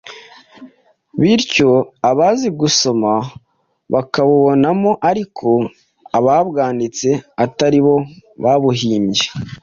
bityo abazi gusoma bakabubonamo ariko ababwanditse atari bo babuhimbye.